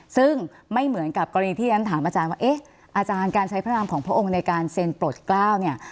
ซึ่งไม่เหมือนกับกรณีที่ฉันถามอาจารย์ว่าเอ๊ะอาจารย์การใช้พระนามของพระองค์ในการเซ็นปลดกล้าวเนี่ย